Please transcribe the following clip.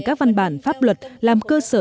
các văn bản pháp luật làm cơ sở